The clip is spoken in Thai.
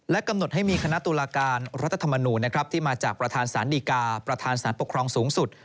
กำหนดให้มีคณะตุลาการรัฐธรรมนูลที่มาจากประธานสารดีกาประธานสารปกครองสูงสุด